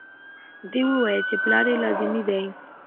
ده وویل چې پلار یې لادیني دی.